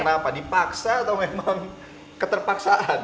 kenapa dipaksa atau memang keterpaksaan